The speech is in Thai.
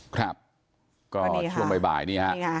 ก็ช่วงบ่ายนี่ครับ